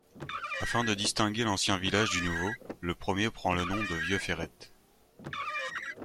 Afin de distinguer l'ancien village du nouveau, le premier prend le nom de Vieux-Ferrette.